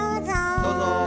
・どうぞ。